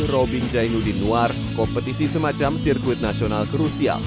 robin jainudin noir kompetisi semacam sirkuit nasional krusial